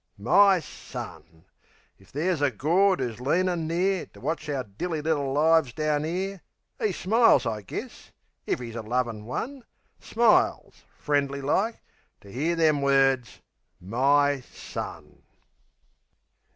My son!...If there's a Gawd 'Oos leanin' near To watch our dilly little lives down 'ere, 'E smiles, I guess, if 'E's a lovin' one Smiles, friendly like, to 'ear them words My son.